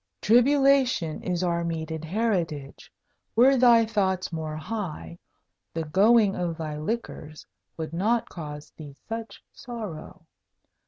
Tribulation is our meted heritage. Were thy thoughts more high, the going of thy liquors would not cause thee such sorrow.